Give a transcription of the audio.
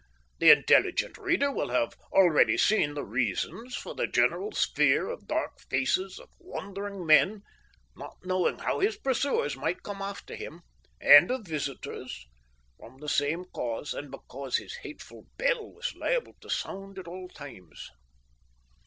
The intelligent reader will have already seen the reasons for the general's fear of dark faces, of wandering men (not knowing how his pursuers might come after him), and of visitors (from the same cause and because his hateful bell was liable to sound at all times).